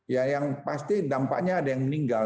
ya yang pasti dampaknya ada yang meninggal